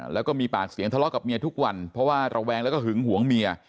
แล้วก็มีปากเสียงทะเลาะกับเมียทุกวันเพราะว่าระแวงแล้วก็หึงหวงเมีย